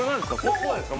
こうですか？